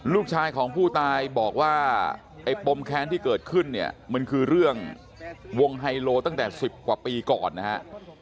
ลูกชายของผู้ตายบอกว่าไอ้ปมแค้นที่เกิดขึ้นเนี่ยมันคือเรื่องวงไฮโลตั้งแต่๑๐กว่าปีก่อนนะฮะ